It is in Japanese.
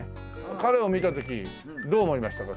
彼を見た時どう思いましたか？